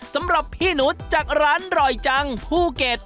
สำหรับพี่นุษย์จากร้านอร่อยจังภูเก็ต